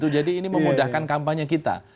jadi ini memudahkan kampanye kita